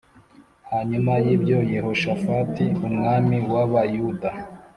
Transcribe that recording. Hanyuma y ibyo Yehoshafati umwami w Abayuda